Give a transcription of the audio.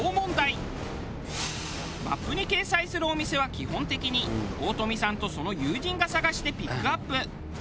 マップに掲載するお店は基本的に大富さんとその友人が探してピックアップ。